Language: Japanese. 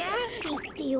いってよ。